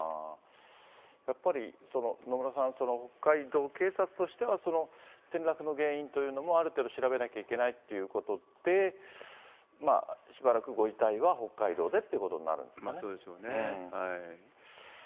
やっぱり野村さん、北海道警察としては、その転落の原因というのもある程度調べなきゃいけないということで、しばらくご遺体は北海道でということになるんですね。